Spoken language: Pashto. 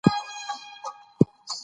هغوی ته فرصت ورکړئ.